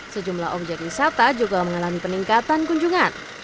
sejumlah objek wisata juga mengalami peningkatan kunjungan